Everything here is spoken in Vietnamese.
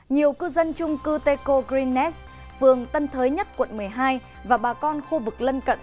nhiều cư dân chung cư tê cô green nest phường tân thới nhất quận một mươi hai và bà con khu vực lân cận